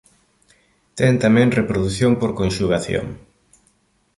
Ten tamén reprodución por conxugación.